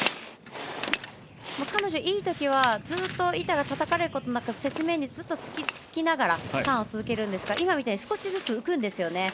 彼女、いいときはずっと板がたたかれることなく雪面にずっとつきながらターンを続けるんですが少しずつ浮くんです。